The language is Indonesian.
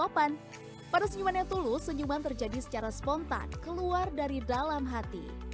pada senyuman yang tulus senyuman terjadi secara spontan keluar dari dalam hati